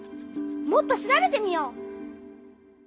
もっと調べてみよう！